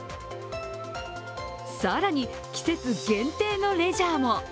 更に、季節限定のレジャーも。